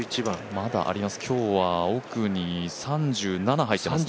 まだあります、今日は奥に３７入ってますね。